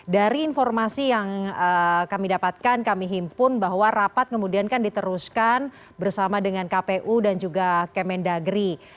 dari informasi yang kami dapatkan kami himpun bahwa rapat kemudian kan diteruskan bersama dengan kpu dan juga kemendagri